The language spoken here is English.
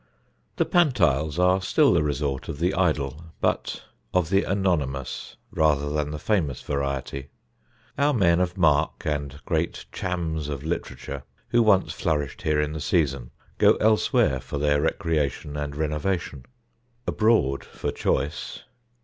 The Pantiles are still the resort of the idle, but of the anonymous rather than famous variety. Our men of mark and great Chams of Literature, who once flourished here in the season, go elsewhere for their recreation and renovation abroad for choice.